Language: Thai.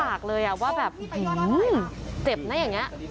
ปากเลยว่าแบบเจ็บนะอย่างนี้